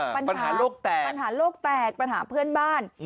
ปัญหาโลกแตกปัญหาเพื่อนบ้าน